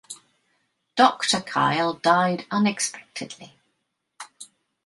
Doctor Kyle died unexpectedly.